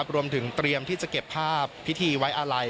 รวมถึงเตรียมที่จะเก็บภาพพิธีไว้อาลัย